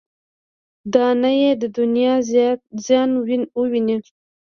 دا نه یې دنیا زیان وویني.